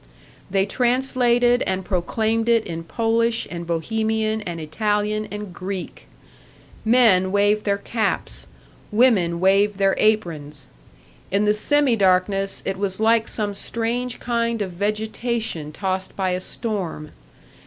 They translated and proclaimed it in Polish and Bohemian and Italian and Greek. Men waved their caps, women waved their aprons in the semi darkness it was like some strange kind of vegetation tossed by a storm.